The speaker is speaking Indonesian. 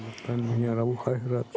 semoga anak anakmu yang diberi kemampuan